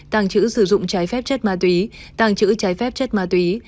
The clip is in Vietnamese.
tàng trữ sử dụng trái phép chất ma túy tàng trữ trái phép chất ma túy